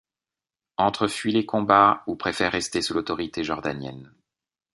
Entre fuient les combats ou préfèrent rester sous l'autorité jordanienne.